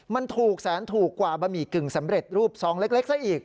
มันถูกแสนถูกกว่าบะหมี่กึ่งสำเร็จรูปซองเล็กซะอีก